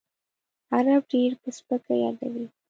عرب ډېر په سپکه یادوي.